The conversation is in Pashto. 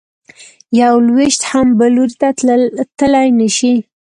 یو لویشت هم بل لوري ته تلی نه شې.